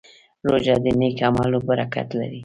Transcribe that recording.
روژه د نیک عملونو برکت لري.